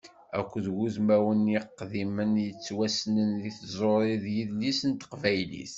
Akked wudmawen iqdimen yettwassnen deg tẓuri d yidles n teqbaylit.